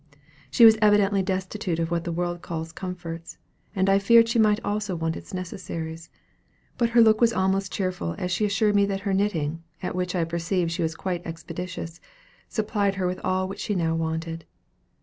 She was evidently destitute of what the world calls comforts, and I feared she might also want its necessaries. But her look was almost cheerful as she assured me that her knitting (at which I perceived she was quite expeditious) supplied her with all which she now wanted.